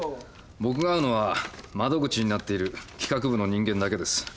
僕が会うのは窓口になっている企画部の人間だけです。